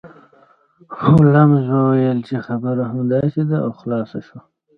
هولمز وویل چې خبره همداسې ده او خلاصه شوه